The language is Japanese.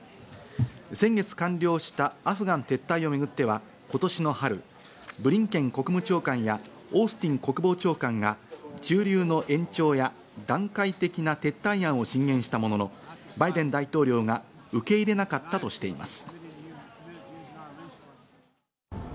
先月完了したアフガン撤退をめぐっては、今年の春、ブリンケン国務長官やオースティン国防長官が駐留の延長や段階的な撤退案を進言したものの、バイデン大統領が受け入れなかったとしています。